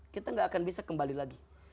kita gak akan bisa kembali lagi